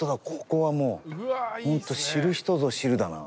ここはもうホント知る人ぞ知るだな。